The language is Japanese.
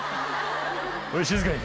おい静かに。